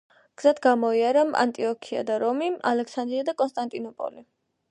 გზად გამოიარა ანტიოქია და რომი, ალექსანდრია და კონსტანტინოპოლი.